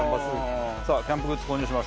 さあキャンプグッズ、購入します。